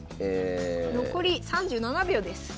残り３７秒です！